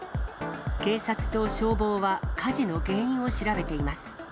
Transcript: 警察と消防は火事の原因を調べています。